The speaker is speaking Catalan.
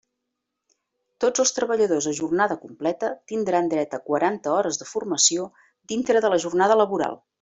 Tots els treballadors a jornada completa tindran dret a quaranta hores de formació dintre de la jornada laboral.